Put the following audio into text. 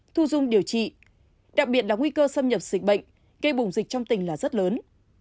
thu dung điều trị đặc biệt là nguy cơ xâm nhập dịch bệnh cây bùng dịch trong tình là rất lớn